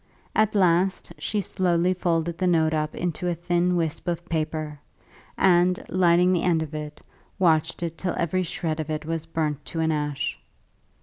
At last she slowly folded the note up into a thin wisp of paper, and, lighting the end of it, watched it till every shred of it was burnt to an ash.